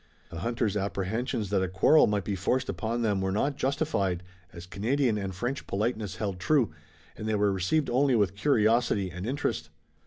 The hunter's apprehensions that a quarrel might be forced upon them were not justified, as Canadian and French politeness held true, and they were received only with curiosity and interest.